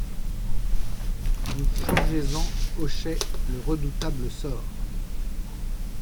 Vous changez-en hochet le redoutable sort ;